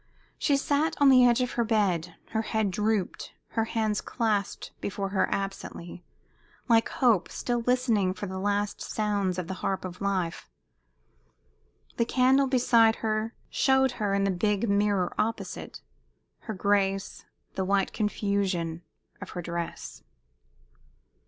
She sat on the edge of her bed, her head drooped, her hands clasped before her absently, like Hope still listening for the last sounds of the harp of life. The candle beside her showed her, in the big mirror opposite, her grace, the white confusion of her dress.